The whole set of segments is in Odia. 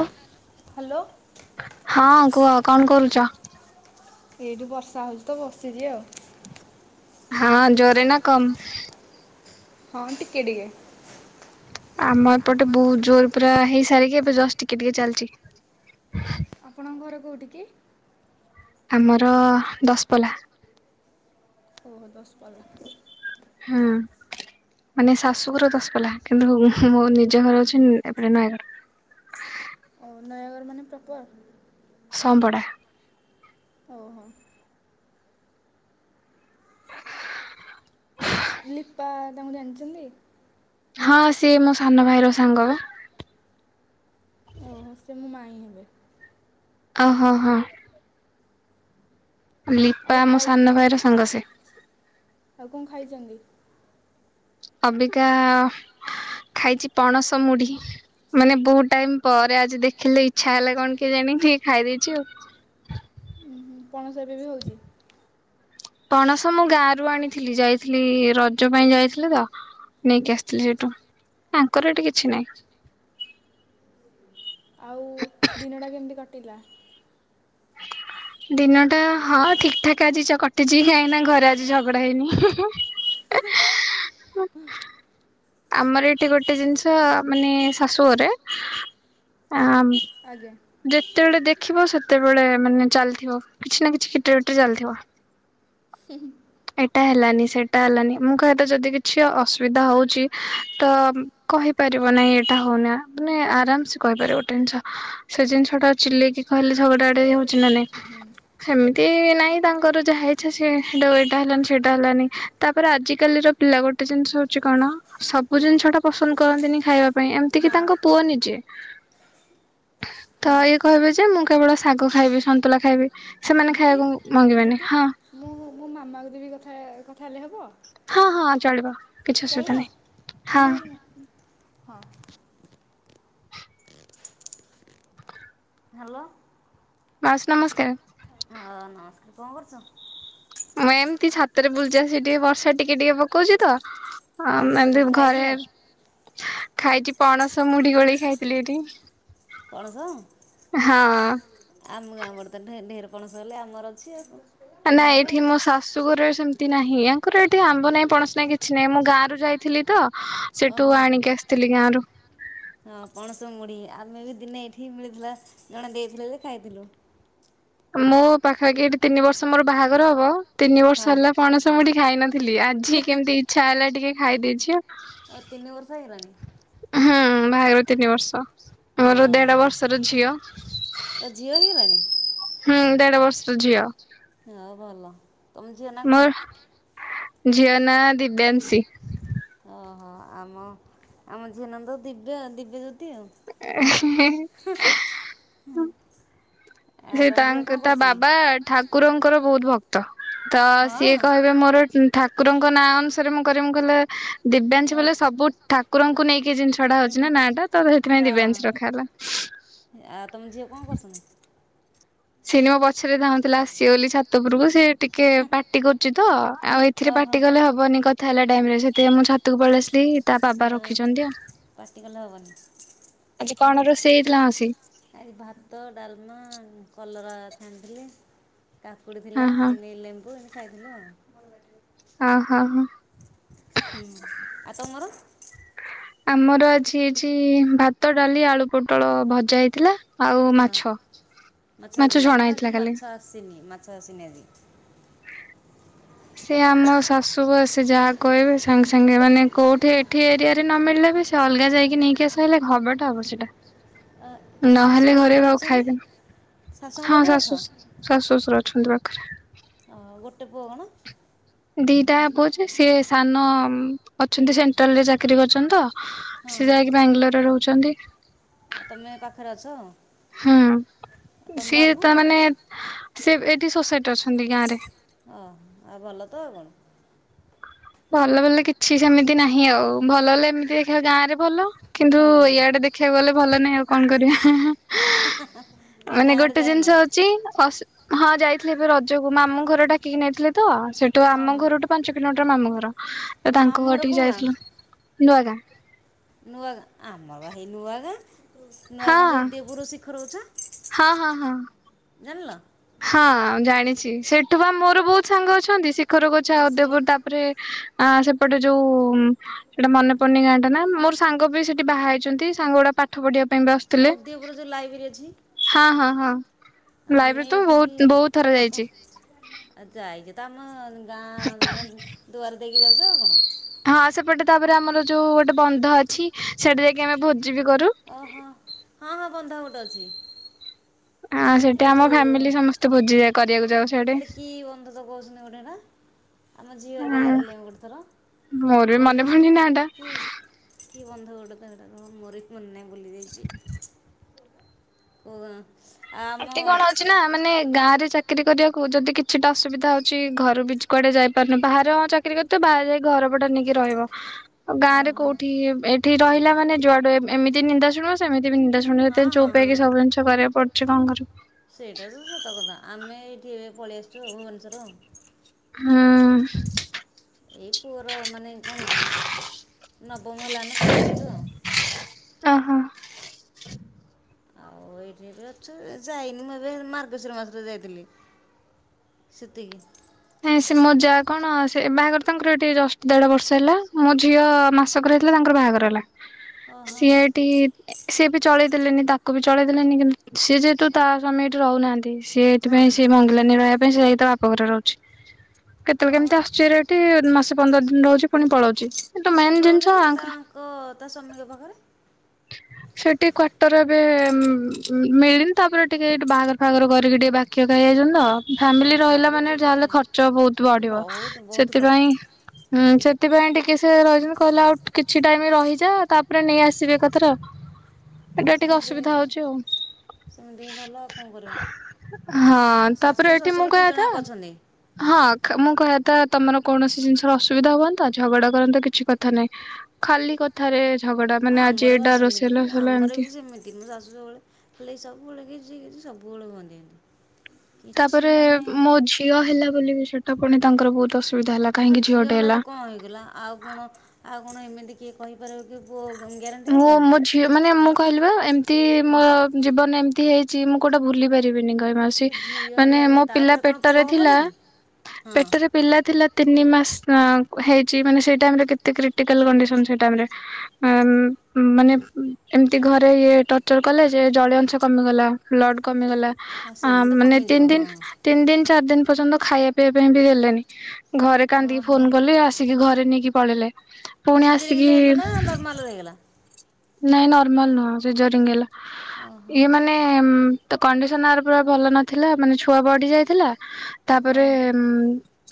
ଆ ହ୍ୟାଲୋ ହଁ କୁହ କଣ କରୁଚ? ଏଇଠି ବର୍ଷା ହଉଚି ତ ବସିଚି ଆଉ। ହଁ ଜୋରେ ନା କମ୍। ହଁ ଟିକେ ଟିକେ ଆମ ଏପଟେ ବହୁତ୍ ଜୋରେ ପୁରା ହେଇସାରିକି ଏବେ ଜଷ୍ଟ ଟିକେ ଟିକେ ଚାଲିଚି। ଆପଣଙ୍କ ଘର କୋଉଠି କି? ଆମର ଦଶ୍ ପଲା ଓ ହୋ ଦଶପଲ୍ଲା ହୁଁ ମାନେ ଶାଶୁଘର ଦଶପଲ୍ଲା କିନ୍ତୁ ମୋ ନିଜ ଘର ହଉଛି ଏପଟେ ନୟାଗଡ଼ [inaudible] ଆଉ ନୟାଗଡ ମାନେ ପ୍ରପର୍ ସଂପଡା ହଉ ହଉ ଲିପା ତାଙ୍କୁ ଜାଣିଛନ୍ତି। ହଁ ସେ ମୋ ସାନ ଭାଇ ର ସାଙ୍ଗ ବା ଓହୋ ସେ ମୋ ମାଇଁ ହେବେ ଅ ହ ହଁ ଲିପା ଆଉ ମୋ ଖାଇ ସାନ ଭାଇର ସାଙ୍ଗ ସେ ଆଉ କଣ ଖାଇଚନ୍ତି? ଅବିକା ଖାଇଚି ପଣସ ମୁଢି ମାନେ ବହୁତ୍ ଟାଇମ୍ ପରେ ଆଜି ଦେଖିଲି ତ ଇଚ୍ଛା ହେଲା କଣ କେଜାଣିି ଟିକେ ଖାଇଦେଇଚି ଆଉ ପଣସରେ ବି ହଉଚି। ପଣସ ମୁଁ ଗାଁ ରୁ ଆଣିଥିଲି ଯାଇଥିଲି ରଜ ପାଇଁ ଯାଇଥିଲି ତ ନେଇକି ଆସିଥିଲି ସେଟୁ ଆଙ୍କର ଏଠି କିଛି ନାହିଁ। ଆଉ ଦିନଟା କେମିତି କଟିଲା? ଦିନ ଟା ହଁ ଠିକ୍ ଠାକ୍ ଆଜି ଚ କଟିଚି କାହିଁକି ନା ଘରେ ଆଜି ଝଗଡା ହେଇନି। [inaudible] ଆମର ଏଠି ଗୋଟେ ଜିନିଷ ମାନେ ଶାଶୁ ଘରେ ଆ ଆଜ୍ଞା। ଯେତେବେଳେ ଦେଖିବ ସେତେବେଳେ ମାନେ ଚାଲିଥିବ କିଛି ନା କିଛି ଖିଟିରି ପିଟିରି ଚାଲିଥିବ। ଉଁ ହୁଁ ଏଟା ହେଲାନି ସେଟା ହେଲାନି ମୁଁ କହିବା କଥା ଯଦି କିଛି ଅସୁବିଧା ହଉଚି ତ କହିପାରିବ ନାଇଁ ଏଟା ହଉନା ମାନେ ଆରାମ୍ସେ କହିପାରିବ ଗୋଟେ ଇନିଷ - ସେ ଜିନିଷଟା ଚିଲେଇକି କହିଲେ ଝଗଡା ଆଡେ ଇଏ ହଉଚି ହୁଁ। ନା ନାଇଁ ସେମିତି ନାଇଁ ତାଙ୍କର ଯାହା ଇଛା ସେ [unintelligible] ଟା ହେଲାନି ସେଇଟା ହେଲାନି ତାପରେ ଆଜିିକାଲିର ପିଲା ଗୋଟେ ଜିନିଷ ହଉଚି କଣ ସବୁ ଜିନିଷଟା ପସନ୍ଦ କରନ୍ତିନି ଖାଇବା ପାଇଁ ଏମିତିକି ତାଙ୍କ ପୁଅ ହଁ। ନିଜେ ତ ଇଏ କହିବେ ଯେ ମୁଁ କେବଳ ଶାଗ ଖାଇବି ସନ୍ତୁଳା ଖାଇବି ସେମାନେ ଦିଦି ଖାଇବାକୁ ମଙ୍ଗିବେନି ଦିଦି ହଁ- ମୁଁ ମୁଁ - ମାମାକୁ ଦେବି କଥା କଥା ହେଲେ ହେବ ହଁ ହଁ ଚଳିବ। କିଛି ଅସୁବିଧା ଚଳିବ ନାହିଁ ହଁ ମାନେ ହଁ ହ୍ୟାଲୋ ମାଉସୀ ନମସ୍କାର। ହଁ ନମସ୍କାର, କଣ କରୁଚ? ମୁଁ ଏମତି ଛାତରେ ବୁଲୁଚି ଆସିକି ଟିକେ ବର୍ଷା ଟିକେ ଟିକେ ପକଉଚି ତ ଆଁ ମୁ କଣ ଏମିତି ଘରେ ଖାଇଥିଲ ଖାଇଚି ପଣସ ମୁଢି ଗୋଳିଇ ଖାଇଥିଲି ଏଠି ପଣସ ହଁ ଆମ ଗାଁ ବଡ଼ ତ ଢେ ଢେର ପଣସ ହେଲେ ଆମର ଅଛି ଆଉ କଣ। ନା ଏଇଠି ମୋ ଶାଶୁ ଘରେ ସେମ ତି ନାହିଁ ୟାଙ୍କର ଏଠି ଆମ୍ବ ନାଇଁ ପଣସ ନାହିଁ କିଛି ନାଇଁ ମୁଁ ଗାଁ ରୁ ଯାଇଥିଲି ତ ସେଟୁ ଓହୋ ଆଣିକି ଆସିଥିଲି ଗାଁ ରୁ। ହଁ ପଣସ ମୁଢି ଆମେ ବି ଦିନେ ଏଇଠିି ମିଳିଥିଲା ଜଣେ ଦେଇଥିଲେ ଯେ ଖାଇଥିଲୁ। ମୁଁ ପାଖାପାଖି ଏଠି ତିନି ବର୍ଷ ମୋର ବାହାଘର ହବ। ତିନି ବର୍ଷ ହେଲା ପଣସ ମୁଁ ଏଠି ଖାଇନଥିଲି ଆଜି କେମିତି ଇଚ୍ଛା ହେଲା ଟିକେ ଖାଇଦେଇଛି ଆଉ। ତିନି ବର୍ଷ ହେଇଗଲାଣି। ହୁଁ ବାହାଘର ତିନି ବର୍ଷ। ହଁ ମୋର ଦେଢ ବର୍ଷର ଝିଅ। ଆ ଝିଅ ହେଇଗଲାଣି। ହୁଁ ଦେଢ ବର୍ଷର ଝିଅ। ହଉ ଭଲ। ତମ ଝିଅ ନା ମୋ କଣ? ଝିଅ ନା ଦିବ୍ୟାଂଶୀ। ଓହୋ ଆମ ଆମ ଝିଅ ନା ତ ଦିବ୍ୟ ଆ ଦିବ୍ୟଯ୍ୟୋତି ଆଉ। ହେଁ ହେଁ। ହୁଁ। ସେ ତାଙ୍କ ତା ବାବା ଠା ଠାକୁରଙ୍କର ବହୁତ ଭକ୍ତ ତ ସିଏ ହଁ କହିବେ ମୋର ଠାକୁରଙ୍କ ନାଁ ଅନୁସାରେ ମୁଁ କ ମୁ କହିଲ ଦିବ୍ୟାଂଞ୍ଚ ବଲେ ସବୁ ଠାକୁରଙ୍କୁ ନେଇକି ଜିନିଷ ଛଡା ହଉଛି ନାଁ ଟା ତ ସେଇଥିପାଇଁ ହଁ ଦିବ୍ୟଂଶି ରଖା ହେଲା। ଆଉ ତମ ଝିଅ କଣ କରୁଛନ୍ତୀ? ସିନେମା ପଛରେ ଯାଉଁଥିଲା ଆସିବେ ବୋଲି ଛାତପୁରକୁ ସେ ଟିକେ ପାର୍ଟି କରୁଛି ତ ଆଉ ଏଥିରେ ଓହୋ ପାଟି କଲେ ହବନି କଥା ହେଲା ଟାଇମରେ ସେଥିପାଇ ମୁଁ ଛାତୁକୁ ପଳେଇ ଆସିଲି। ତା ବାବା ନା ରଖିଛନ୍ତି ଆଉ। ପାଟିକଲେ ହବନି। ଆଜି କଣ ରୋଷେଇ ହେଇଥିଲା ମାଉସୀ? ଆଜି ଭାତ ଡାଲମା କଲରା ଚାନିଥିଲି। କାକୁଡ଼ି ହଁ ଥିଲା ହଁ ଏନ ଲେମ୍ବୁ ଏମତି ଖାଇଦେଲୁ ଆଉ। ଓହୋ। ହୁଁ ଆଉ ତମର। ଆମର ଆଜି ହେଇଛି ଭାତ ଡାଲି ଆଳୁ ପୋଟଳ ଭଜା ହେଇଥିଲା। ଆଉ ହଁ ମାଛ ମାଛ ହେଇଥିଲା ଆମର ଛଣା ଆଜି ହେଇଥିଲା ମାଛ କାଲି। ଆସିନି ମାଛ ଆସିନି ଆଜି। ସିଏ ଆମ ଶାଶୁ ବ ଆସ ଯାହା କହିବେ ସାଙ୍ଗେ ସାଙ୍ଗେ ମାନେ କୋଉଠି ଏଠି ଏରିଆରେ ନ ମିଳିଲେ ବି ସେ ଅଲଗା ଯାଇକି ନେଇକି ଆସିବେ ଘବରଟା ହବ ସେଇଟା। ତମ ନହେଲେ ଶାଶୁଙ୍କ ଘରେ ପାଖରେ ଆଉ ଅଛ କି ଖାଇବେନି ଶାଶୁଙ୍କ ହଁ ପାଖରେ ଅଛ ଶାଶୁ ଶାଶୁ ଶ୍ୱଶୁର ଅଛନ୍ତି ପାଖରେ। ହଁ ଗୋଟେ ପୁଅ କଣ? ଦିଟା ପୁଅ ରେ ସିଏ ସାନ ଅଛନ୍ତି ସେଣ୍ଟ୍ରାଲରେ ଚାକିରି କରୁଛନ୍ତି ତ। ହଁ ସିଏ ହଁ ଯାଇକି ବାଙ୍ଗାଲୋରରେ ରହୁଛନ୍ତି। ତମେ ପାଖରେ ଅଛ ଆଉ ହୁଁ ତମ ବାବୁ। ସିଏ ଏଇଠି ସୋସାଇଟିରେ ଅଛନ୍ତି ଗାଁ ରେ। ଓ ଆଉ ଭଲ ତ ଆଉ କଣ। ଭଲ ଭଲ କିଛି ସେମିତି ନାହିଁ ଆଉ ଭଲ ହେଲେ ଏମିତି ଦେଖିବା ଗାଁ ରେ ଭଲ କିନ୍ତୁ ହଁ ହଁ ଇଆଡେ ଦେଖ ଦେଖିବାକୁ ଗଲେ ଭଲ ନାହିଁ ଆଉ କଣ କରିବା ଆଉ ମାନେ ଗାଁ ଆଡ଼େ ଗୋଟେ ଯାଇନ ଜିନିଷ ହଁ ଯାଇଥିଲେ ଏବେ ରଜକୁ ମାମୁ ଘର ଡାକିକି ନେଇଥିଲେ ତ ସେଠୁ ହଁ ଆମ ହଁ ଘରଠୁ ପାଞ୍ଚ କିଲୋମିଟର ମାମୁଁ ଘର ତ ତାଙ୍କ ମାମୁଁ ଘର ଠିକି କୋଉ ଗାଁ ଯାଇଥିଲୁ ନୂଆ ଗାଁ। ନୂଆ ଗାଁ ଆମର ହେଇ ନୂଆ ଗାଁ ନୂଆ ଗାଁ ଯୋଉ ଦେବରୁ ଶିଖର ଅଛ ହଁ-ହଁ-ହଁ। ଜାଣିଲ। ହଁ ଜାଣିଛି ସେଠୁ ବା ମୋର ବହୁତ ସାଙ୍ଗ ଅଛନ୍ତି ଶିଖର ଓ ଗଛ ସେ ଉଦପୁର ତାପରେ ଆ ସେପଟେ ଯୋଉ ସେଟା ମନେ ପନି ଗାଁଟା ନା ମୋର ସାଙ୍ଗ ବି ସେଠି ବାହା ହେଇଛନ୍ତି ସାଙ୍ଗ ଗୋଡା ପା ପାଠ ପଢିବା ପାଇଁ ବା ଆଉ ଆସିଥିଲେ ଦେବର ଯୋଉ ଲାଇବ୍ରେରୀ ଅଛି ହଁ ହଁ ହଁ। ଲାଇବ୍ରେରୀ ଆମେ ତ ବହୁତ ବହୁତ ଥର ଏଇଠିକି ଯାଇଛି। ଯାଇଛେ ତମ ଆଉ କ'ଣ ହଁ ସେପଟେ ତାପରେ ଆମର ଯୋଉ ଗୋଟେ ବନ୍ଧ ଅଛି। ସିଆଡେ ଯାଇକି ଆମେ ଭୋଜି ବି କରୁ। ଓହୋ ହଁ ହଁ ବନ୍ଧ ଗୋଟେ ଅଛି। ଆ ସେଠି ଏଇ ଆମ ଯୋଉ ଫ୍ୟାମିଲି ସମସ୍ତେ ଭୋଜି କରିବାକୁ ଯାଉ ସେଆଡେ ଏଟା କି ବନ୍ଧତ କହୁଛନ୍ତି ଗୋଟେ ଏଇଟା। ଆମ ଝିଅ ହେରିକା ଯାଇଥିଲେ ମ ଗୋଟେ ଥର ମୋର ବି ମନେ ପଡୁନି ନା ଟା [unintelligible] କି ବନ୍ଧ ଗୋଟେ ତ ସେଇଟା କଣ ମୋର ବି ମନେ ନାହିଁ ଭୁଲି ଯାଇଛି। [unintelligible] ଏତି କଣ ଅଛି ଓହୋ ନା ମାନେ ଗାଁରେ ଚାକିରି କରିବାକୁ ଯଦି କିଛିଟା ଅସବିଧା ହଉଛି ଘର ବି କୁଆଡେ ଯାଇପାରୁନି ବାହାରେ ହଁ ଚା କିରି କଲେ ତ ବାହାରେ ଯାଇକି ଘର ଭଡ଼ା ନେଇକି ରହିବ। ଗାଁରେ ହଁ କଉଠି ଏଠି ରହିଲା ମାନେ ଯୁଆଡୁ ଏମିତି ନିନ୍ଦା ଶୁଣିବ ସେମତି ବି ନିନ୍ଦା ଶୁଣ। ସେଥିପାଇଁ ହଁ ଚୁପ୍ ହେଇକି ହଁ ସବୁ ଜିନଷ କରିବାକୁ ପଡୁଛି କଣ କରିବି। ସେଇଟା ତ ସତ କଥା ଆମେ ଏଇଠି ଏବେ ପଳେଇ ଆସିଛୁ ଭୁବନେଶ୍ଵର। ହୁଁ। ଏଇ ପୁଅର ମାନେ କଣ ନବମ ହେଲାନେ ପଳେଇ ଆସିଲୁ ଆଉ। ଓହୋ। ଆଉ ଏଇଠି ବି ଅଛୁ ଯାଇନି ମୁଁ ଏବେ ମାର୍ଗଶିର ମାସରେ ଯାଇଥିଲି। ସେତିକି। ନାଇଁ ସେ ମୋ ଯା କଣ ସେ ବାହାଘର ତାଙ୍କର ଏ ଟିକେ ଜଷ୍ଟ ଦେଢ ବର୍ଷ ହେଲା ମୋ ଝିଅ ମାସ କର ହେଇଥିଲା ତାଙ୍କର ବାହାଘର ହେଲା ଓହୋ ସି ଏଟି ସିଏ ବି ଚଳେଇ ଦେଲେନି ତାକୁ ବି ଚଳେଇ ଦେଲେନି କିନ୍ତୁ ସିଏ ଯେହେତୁ ତା ସ୍ୱାମୀ ଏଠି ରହୁନାହାନ୍ତି। ସିଏ ଏଥି ହଁ ପାଇଁ ହଁ ସେ ମଙ୍ଗିଲାନୀ ରହିବା ପାଇଁ ସେ ଯାଇ ଟା ବାପ ଘରେ ରହୁଚି। କେତେବେଳେ ଓହୋ କେମିତି ଆସୁଛି ହେରି ଏଠି ମାସେ ପନ୍ଦର ଦିନ ରହୁଛି ପୁଣି ପଳଉଛି। ତ ମେନ୍ ଜିନିଷ ଆଙ୍କର କ ତା ସ୍ୱାମୀଙ୍କ ପାଖରେ ହ ସେଠି କ୍ଵାର୍ଟର ଏବେ ମିଳିନି ତାପରେ ଟିକେ ଏଇଠି ବାହାଘର ଫାହାଘର କରିକି ଟିକେ ବାକି ହେଇ ଯାଇଛନ୍ତି ତ। ଓହୋ ଫ୍ୟାମିଲି ରହିଲା ତାପରେ ମାନେ ଯିବେ ଯାହାହେଲେ ଖର୍ଚ୍ଚ ବହୁତ ଆଉ ହଁ, ବଢିବ ବହୁତ ବହୁତ ଖର୍ଚ୍ଚ ସେଥିପାଇଁ ହୁଁ ସେଥିପାଇଁ ଟିକେ ସେ ରହିଛନ୍ତି କହିଲେ ଆଉ କିଛି ଟାଇମ ରହିଯା ତାପରେ ନେଇ ଆସିବେ କଥା ତ୍ରା ହଁ ଏଟା ଟିକେ ସେମିତି ଅସୁବିଧା ହଉଛି ଆଉ। ସେମିତି ଭଲ ଆଉ କଣ ହଁ କରିବ ତାପରେ ଶାଶୁ ଏଠି ମୁଁ ଶ୍ୱଶୁର ଦି କହିବା ଜଣ କଥା ଯାକ ଅଛନ୍ତି। ହଁ ମୁଁ କହିବା ତ ତମର କୌଣସି ଜିନିଷର ଅସୁବିଧା ହୁଅନ୍ତା ଝଗଡା କରନ୍ତ କିଛି କଥା ନାହିଁ। ଖାଲି କଥାରେ ଝଗଡା ହଁ ମାନେ ଆ ଆମର ବା ସେମିତି ଆମର ବି ସେମିତି। ଆମ ଶାଶୁ ସବୁବେଳେ ହେଇ ଗିଜି ଗିଜୀ ସବୁବେଳେ ହୁଅନ୍ତି। କିଛି ତାପରେ ମାନେ ମୋ ଝିଅ ହେଲା ବୋଲି ବି ସେଟା ପୁଣି ତାଙ୍କର ବହୁତ ଅସୁ ହଁ ଝିଅ ହେଲା ଯେ କଣ ହେଇଗଲା ଆଉ କଣ ଆଉ କଣ ଏମିତି କିଏ କହିପାରିବ କି ପୁଅ ହେବ ମୁଁ ବୋଲି ମୋ ଝିଅ ମାନେ ମୁଁ କହିଲି ବା ଏମିତି ହୁଁ ମୋର ଜୀବନ ଏମିତି ହେଇଛି ମୁଁ କୋଉଟା ଭୁଲି ପାରିବିନି ଗହ ମାସ କିଏ ଝିଅ ମାନେ ହେଲା ଯେ ମୋ ପିଲା ତା'ପରେ କ'ଣ ପୁଅ ପେଟରେ ଥିଲା ହେବନି କି ହଁ ପେଟରେ ପିଲା ଥିଲା ତିନି ମାସ ହେଇଛି ମାନେ ସେ ଟାଇମରେ କେତେ କ୍ରିଟିକାଲ ହ ମାନେ ଏମିତି ଘରେ ଇଏ ଟର୍ଚର କଲେ ଯେ ଜଳିୟ ଅଂଶ କମିଗଲା ବ୍ଲଡ କମିଗଲା। ହଁ ଅ ସେମିତି ତ ମାନେ କମିଯିବ ତିନି ହଁ ଦିନ ତିନି ଦିନ ଚାରି ଦିନ ପର୍ଯ୍ୟନ୍ତ ଖାଇବା ପିଇ ପାଇଁ ବି ଦେଲେଣିି ଘରେ ହଁ କାନ୍ଦିକି ହଁ ଫୋନ କଲି ଆସ କି ଘରେ ନେଇକି ପଳେଇଲେ ପୁଣି ଆସିକି ଭଲ ରଇଗଲା। ନାଇଁ ନର୍ମାଲ ନୁହଁ ସିଜରିଂ ହେଲା ଓହୋ ଇଏ ମାନେ କଣ୍ଡିସନ ଆର ପୁରା ଭଲ ନଥିଲା ମାନେ ଛୁଆ ବଢି ଯାଇଥିଲା ତାପରେ ହଁ ଉୁଁ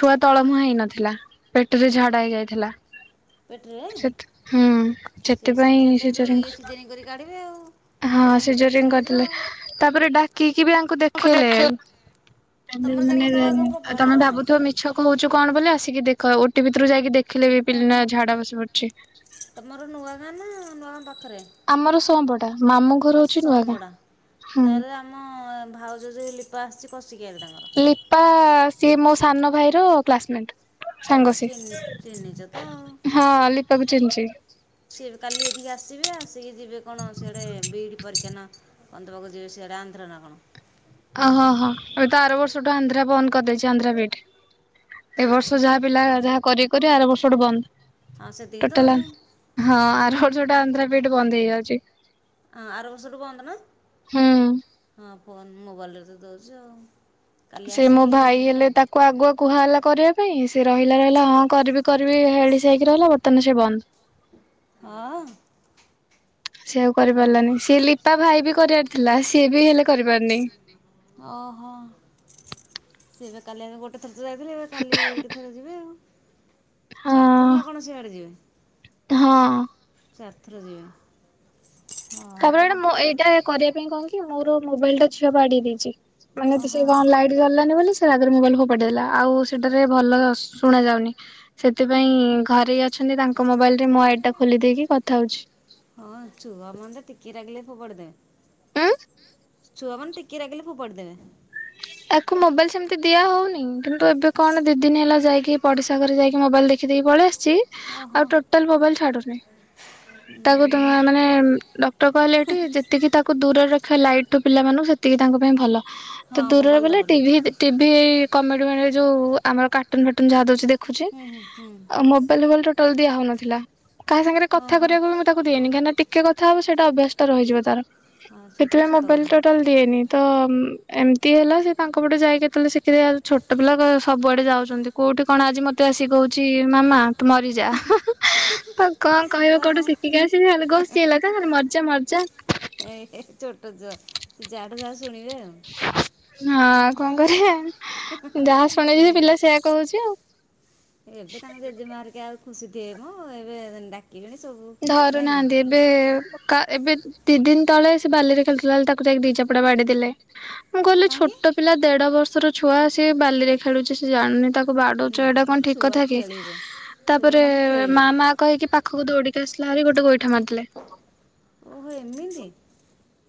ଛୁଆ ତଳମୁହାଁ ହେଇନଥିଲା ପେଟରେ ଝାଡା ହେଇଯାଇଥିଲା। ପେଟରେ ସେ ହୁଁ ସେଥିପାଇଁ ର ସିଜରିଙ୍ଗ ଇଏ ସିଯାରିଂ କରିକି କାଢ଼ିବେ ଆଉ। ହଁ ନହେଲେ ସେଜରିଙ୍ଗ ଇନଫେକ୍ସନ୍ ହେଇଯିବ କରିଥିଲେ ଆଉ ତାପରେ ଡାକିକି ବି ଆଙ୍କୁ ଦେଖେଇଲେ। ତାଲେ ତମର ମାନେ ଜାଣିକି ନୂଆ ଗାଁ ପ୍ରପର ନା ତମେ କଣ? ଭାବୁଥିବ ମିଛ କହୁଛୁ କଣ ବୋଲି ଆସିକି ଦେଖ ଓଟି ଭିତରୁ ଯାଇକି ଦେଖିଲେ ବି ଓହୋ ପିଲା ଝା ବସି ପଡୁଛି। ତମର ନୂଆଗାଁ ନା ନୂଆଗାଁ ପାଖରେ? ଆମର ସମପଡା ମାମୁ ଓ ଘର ହଉଛି ନୂଆ ଗାଁ। ସଅଁପଡ଼ା ହୁଁ ତାହେଲେ ଆମ ଭାଉଜ ଜ ଲିପା ଆସିଛି କଷିକିଆରେ ତାଙ୍କର। ଲିପା ସିଏ ମୋ ସାନ ଭାଇର କ୍ଲାସମେଟ୍। ଆ ସାଙ୍ଗ ସିଏ। ଚେନି ଚେନ୍ନେଇଚ ତ ହଁ ଲିପାକୁ ଚିହ୍ନିଚି। ସିଏ ବି କାଲି ଏଠିକି ଆସିବେ ଆସିକି ଯିବେ କଣ ସିଆଡେ ବି ଇ ଡି ପରୀକ୍ଷା ନା ବନ୍ଧ ପାଖକୁ ଯିବି ସେଆଡ଼େ ଆନ୍ଧ୍ର ନା କଣ? ଓହୋ ହୋ ଏବେ ତ ଆର ବର୍ଷଠୁ ଆନ୍ଧ୍ରା ବନ୍ଦ କରିଦେଇଛି ଆନ୍ଧ୍ରା ବି ଇ ଡି। ଏ ବର୍ଷ ଯାହା ପିଲା ଯାହା କରିବେ କରିବେ ଆର ବର୍ଷଠୁ ବନ୍ଦ। ହଁ ସେତିକି ତ ଟୋଟାଲ ଆଉ ହଁ ଆର ବର୍ଷ ଠୁ ଆନ୍ଧ୍ରା ବି ଇ ଡି ବନ୍ଦ ହେଇଯାଉଛି। ହଁ ଆର ବର୍ଷଠୁ ବନ୍ଦ ନା ହଁ ଫୋନ୍ ମୋବାଇଲରେ ତ ଦେଉଛି ଆଉ। କାଲି ସେ ମୋ ଆସିକି ଏଇଠି ଭାଇ ଯିବେ ହେଲେ ଆଉ ତାକୁ କୁଆ ଆଗୁଆ କୁହା ହେଲା କରିବା ପାଇଁ ସେି ରହିଲା ରହିଲା ହଁ କରିବି କରିବି ହେଳିସି ହେଇକି ରହିଲା ବର୍ତ୍ତମାନ ସେ ବନ୍ଦ। ହଁ। ସିଏ ଆଉ ଓହୋ କରିପାରିଲାନି ସି ଲିପା ଭାଇ ବି କରିବାର ଥିଲା ସିଏ ବି ହେଲେ କରିପାରନି। ଓହୋ ସେ ବା କାଲି ଆ ଗୋଟେ ଥରେତ ଯାଇଥିଲେ ଏବେ କାଲି ଏଇଠି ଥରେ ଯିବେ ଆଉ। ଚାରିଥର ହଁ ନା କଣ ସିଆଡ଼େ ଯିବେ। ହଁ। ଚାରିଥର ଯିବେ। ହ [inaudible] ତାପରେ ଏଇଟା ମୋ ଏଇଟା କରିବା ପାଇଁ କଣ କି ମୋର ମୋବାଇଲ ଟା ଛୁଆ ବାଡ଼େଇ ଦେଇଛି। ମାନେ ତୁ ଓହୋ ସେଇ କଣ ଲାଇଟ୍ ଗଲାନି ବୋଲି ସେ ରାଗରେ ମୋବାଇଲ ଫପାଡି ଦେଲା ଆଉ ସେଟାରେ ଭଲ ଶୁଣା ଯାଉନି। ସେଥିପାଇଁ ଘରେ ଅଛନ୍ତି ତାଙ୍କ ମୋବାଇଲ ରେ ମୋ ଆଇଡି ଟା ଖୋଲି ଦେଇକି କଥା ହଉଛି। ହଁ ଛୁଆ ମାନେ ତ ଟିକେ ରାଗିଲେ ଫୋପାଡି ଦେବେ। ଆ ଛୁଆମାନେ ଟିକେ ରାଗିଲେ ଫୋପାଡ଼ିଦେବେ। ତାକୁ ମୋବାଇଲ ସେମିତି ଦିଆ ହଉନି କିନ୍ତୁ ଏବେ କଣ ଦି ଦିନ ହେଲା ଯାଇକି ପଡିଶା ଘରେ ଯାଇକି ମୋବାଇଲ ଦେ ଖିଦି ପଳେଇ ଆସିଛି ଓହୋ ଆଉ ଟୋଟାଲ ମୋବାଇଲ ଛାଡୁନି। ତାକୁ ମାନେ ଡକ୍ଟର କହିଲେ ଏଠି ଯେ ତିକି ତାକୁ ଦୂରରେ ରଖିବା ଲାଇଟ୍ ଠୁ ପିଲାମାନଙ୍କୁ ସେତିକି ତାଙ୍କ ପାଇଁ ଭଲ ତ ହଁ ଦୂରରେ ମୋବାଇଲ୍ ବଲେ ଦେବନି ଟିଭି ଟିଭି କମେଡି ମାନେ ଯୋଉ ଆମର କାର୍ଟୁନ ଫାଟୁନ ଯାହା ଦଉଛି ଦେ ଛି ହୁଁ ହୁଁ ହୁଁ ମୋବାଇଲ ଫେରାଇ ଟୋଟାଲ ଦିଆ ହଉ ନଥିଲା। କାହା ସାଙ୍ଗ ରେ କଥା ଓହୋ କରିବାକୁ ବି ମୁଁ ତାକୁ ନି କ ଟିକେ କଥା ହବ ସେଇଟା ଅଭ୍ୟାସ ଟା ରହିଯିବ ତାର ହଁ ସେଇଟା ବି ସେଥିପାଇଁ ସତ ମୋବାଇଲଟା କଥା ଦିଏନି ତ ଏମିତି ହେଲା ସେ ତାଙ୍କ ପଟେ ଯାଇ କେତେଳେ ଶିଖିଉ ଛୋଟ ପିଲା ସବୁଆଡେ ଯାଉଛନ୍ତି। କୋଉଠି କଣ ଆଜି ମତେ ଆସିିକି କହୁଛି ମାମା ତୁ ମରିଯା। ହଉ କଣ କହିବ ଓହୋ କୋଉଠୁ ଶିଖିକି ଆସିକି ଖଲେ ଘଷି ହେଲା କ ଖଲି ମରିଯା ମରିଯା। ଏ ଛୋଟ ଛ ତୁ ଯାହା ଟା ଯାହା ଶୁଣିବେ ଆଉ। ହଁ କଣ କରିବା ଯାହା ଶୁଣିଛି ଯେ ଏ ପିଲା ସୋ କହୁଛି ଆଉ। ଏବେ ତାଙ୍କ ଜେଜେମା ହେରିକା ଆଉ ଖୁସି ଥିବେ ମ ଏବେ ଡାକ କିଡ଼୍ ସବୁ। ନାଇଁ ଧରୁନାହାନ୍ତି କି ଏ ଏବେ ଏବେ ଦି ଦିନ ତଳେ ସେ ବାଲିରେ ଖେଳୁଥିଲା ବେଳେ ତାକୁ ଯାଇକି ଦି ଚାପୁଡା ବାଡେଇ ଦେଲେ। ମୁଁ କହିଲି ଛୋଟ କାହିଁକି ପିଲା ଦେଢ ବର୍ଷର ଛୁଆ ସିଏ ବାଲି ରେ ଖେଳୁଛି ସେ ଜାଣୁିନି ତା କୁ ବାଡୁଛ ନା ଏଇଟା ମ କଣ ଠିକ ଛୁଆ କଥା କି ଖେଳିବେ ତାପରେ ଛୁଆମାନେ ଖେଳିବେ ମା ମା କହିକି ପାଖକୁ ଦୌିଡ଼ିକି ଆସିଲା ଆରି ଗୋଟେ ଗୋଇଠା ମାରିଦେଲେ। ଓହୋ ଏମିତି?